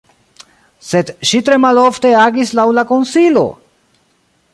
Sed ŝi tre malofte agis laŭ la konsilo!